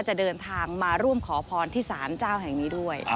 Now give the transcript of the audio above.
จะเดินทางมาร่วมขอพรที่สารเจ้าแห่งนี้ด้วย